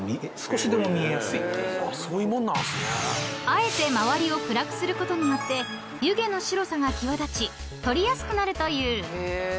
［あえて周りを暗くすることによって湯気の白さが際立ち撮りやすくなるという］